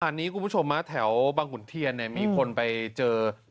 อันนี้คุณผู้ชมแถวบางขุนเทียนเนี่ยมีคนไปเจอ